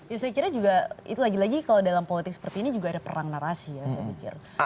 ya saya kira juga itu lagi lagi kalau dalam politik seperti ini juga ada perang narasi ya saya pikir